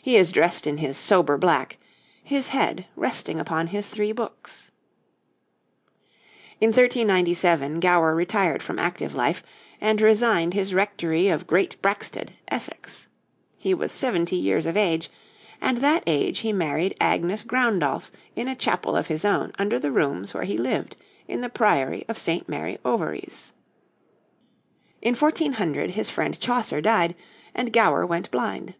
He is dressed in his sober black, his head resting upon his three books. In 1397 Gower retired from active life, and resigned his Rectory of Great Braxted, Essex; he was seventy years of age, and at that age he married Agnes Groundolf in a chapel of his own under the rooms where he lived in the Priory of St. Mary Overies. In 1400 his friend Chaucer died and Gower went blind.